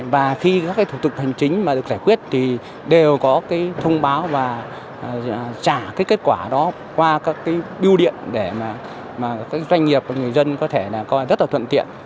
và khi các thủ tục hành chính được giải quyết thì đều có thông báo và trả kết quả đó qua các biêu điện để doanh nghiệp và người dân có thể rất thuận tiện